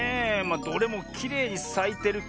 あどれもきれいにさいてるけど。